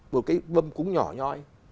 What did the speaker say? một cái bâm cúng nhỏ nhoi